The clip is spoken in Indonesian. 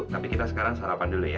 tapi kita sekarang sarapan dulu ya